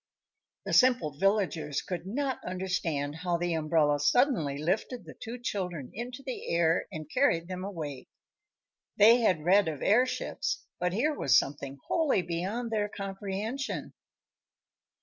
The simple villagers could not understand how the umbrella suddenly lifted the two children into the air and carried them away. They had read of airships, but here was something wholly beyond their comprehension.